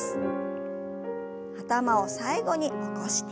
頭を最後に起こして。